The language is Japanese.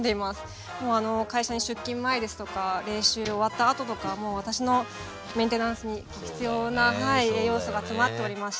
もう会社に出勤前ですとか練習終わったあととかもう私のメンテナンスに必要な栄養素が詰まっておりまして。